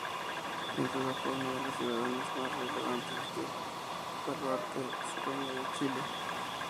Sin duda fue uno de los ciudadanos más relevantes del baluarte sureño de Chile.